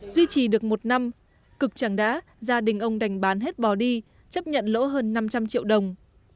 duy trì được một năm cực chẳng đã gia đình ông đành bán hết bò đi chấp nhận lỗ hơn năm trăm linh triệu đồng